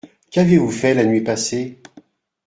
Qu’avez-vous fait la nuit passée ?